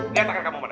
dia tangan kamu mana